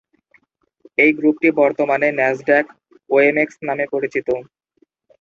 এই গ্রুপটি বর্তমানে ন্যাসড্যাক-ওএমএক্স নামে পরিচিত।